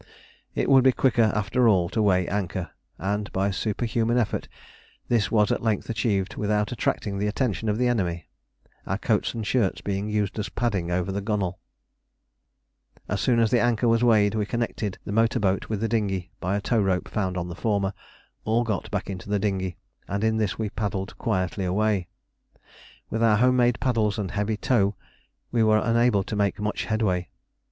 It would be quicker, after all, to weigh anchor, and by superhuman efforts this was at length achieved without attracting the attention of the enemy, our coats and shirts being used as padding over the gunwale. [Illustration: From a photograph by Mrs Houstoun taken at Kyrenia, Cyprus. THE MOTOR BOAT.] As soon as the anchor was weighed, we connected the motor boat with the dinghy by a tow rope found on the former; all got back into the dinghy, and in this we paddled quietly away. With our home made paddles and heavy tow we were unable to make much headway.